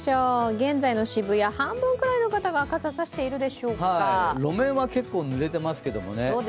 現在の渋谷、半分くらいの方が路面は結構濡れていますけどね。